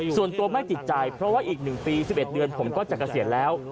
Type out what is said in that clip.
ส่วนตัวไม่ติดใจเพราะว่าอีก๑ปี๑๑เดือนผมก็จะเกษียณแล้ว